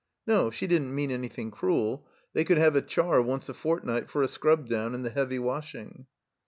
No; she didn't mean any thing cruel. They could have a char once a fort night for a scrub down and the heavy washing.